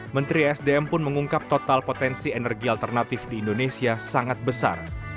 menteri sdm pun mengungkap total potensi energi alternatif di indonesia sangat besar